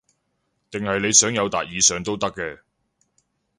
定係你想友達以上都得㗎